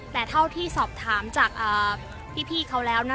แต่เท่าที่สอบถามจากพี่เขาแล้วนะคะ